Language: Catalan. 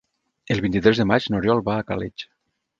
El vint-i-tres de maig n'Oriol va a Càlig.